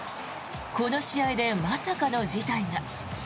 この試合で、まさかの事態が。